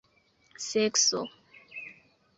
sekso